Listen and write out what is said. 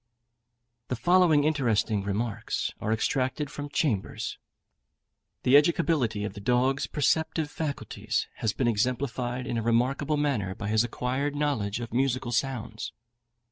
The following interesting remarks are extracted from Chambers: The educability of the dog's perceptive faculties has been exemplified in a remarkable manner by his acquired knowledge of musical sounds.